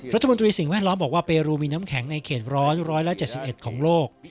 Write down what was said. รัฐมนตรีสิ่งแวดล้อมบอกว่าเปรูมีน้ำแข็งในเขตร้อน๑๗๑ของโลก